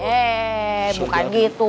eh bukan gitu